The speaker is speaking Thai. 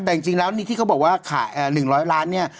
แต่จริงจริงแล้วนี่ที่เขาบอกว่าขายอ่าหนึ่งร้อยล้านเนี่ย